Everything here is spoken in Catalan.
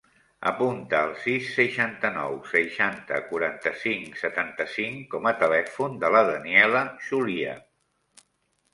Apunta el sis, seixanta-nou, seixanta, quaranta-cinc, setanta-cinc com a telèfon de la Daniela Chulia.